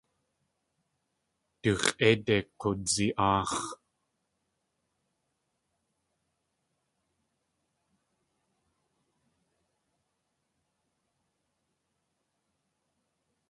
Du x̲ʼéide k̲uwdzi.aax̲.